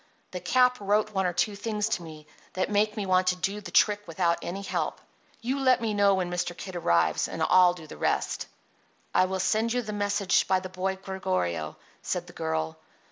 The Cap wrote one or two things to me that make me want to do the trick without any help. You let me know when Mr. Kid arrives, and I'll do the rest." "I will send you the message by the boy Gregorio," said the girl.